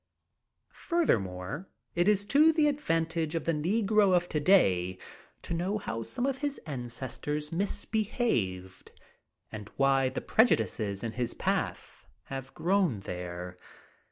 Furthermore, it is to the advantage of the negro of today to know how some of his ancestors misbehaved and why the prejudices in his path have grown there.